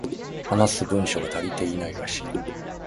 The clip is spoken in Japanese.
話す文章が足りていないらしい